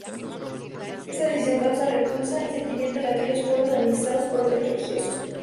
Esta decisión causa repulsa y sentimiento en aquellos pueblos administrados por estos religiosos.